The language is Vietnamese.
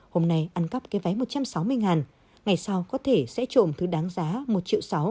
hôm nay ăn cắp cái váy một trăm sáu mươi ngày sau có thể sẽ trộm thứ đáng giá một triệu sáu